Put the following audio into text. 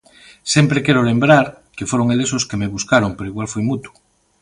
Sempre quero lembrar que foron eles os que me buscaron, pero igual foi mutuo.